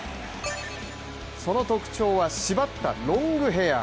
その特徴は、縛ったロングヘアー。